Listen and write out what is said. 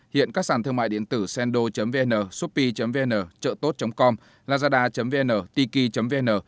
hiện các sàn thương mại điện tử sendo vn sopi vn trợtốt com lazada vn tiki vn